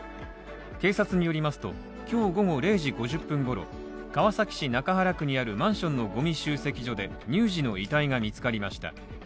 警察によりますと今日午後０時５０分ごろ、川崎市中原区にあるマンションのゴミ集積所で乳児の遺体が見つかりました。